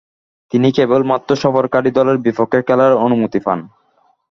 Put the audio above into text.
তিনি কেবলমাত্র সফরকারী দলের বিপক্ষে খেলার অনুমতি পান।